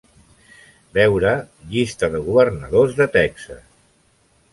Veure: "Llista de governadors de Texas"